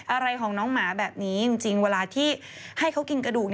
อะไรของน้องหมาแบบนี้จริงเวลาที่ให้เขากินกระดูก